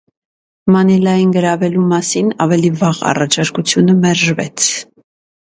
Մանիլային գրավելու մասին ավելի վաղ առաջարկությունը մերժվեց։